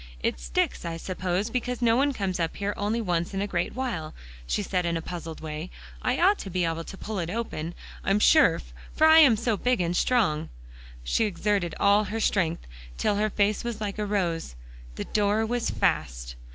"It sticks, I suppose, because no one comes up here only once in a great while," she said in a puzzled way. "I ought to be able to pull it open, I'm sure, for I am so big and strong." She exerted all her strength till her face was like a rose. The door was fast.